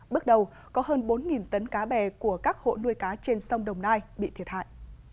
bước đầu có hơn bốn tấn cá bè của các hộ nuôi cá trên sông đồng nai bị thiệt hại